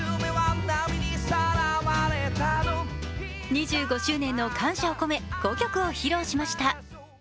２５周年の感謝を込め、５曲を披露しました。